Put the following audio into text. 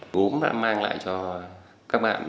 gốm đã mang lại cho các bạn